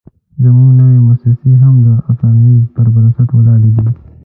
زموږ نوې موسسې هم د افسانو پر بنسټ ولاړې دي.